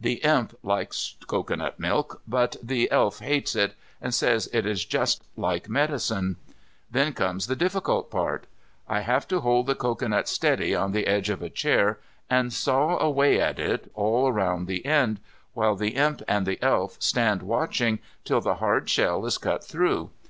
The Imp likes cocoanut milk, but the Elf hates it, and says it is just like medicine. Then comes the difficult part. I have to hold the cocoanut steady on the edge of a chair, and saw away at it, all round the end, while the Imp and the Elf stand watching, till the hard shell is cut through.